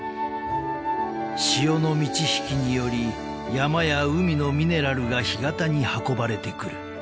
［潮の満ち引きにより山や海のミネラルが干潟に運ばれてくる］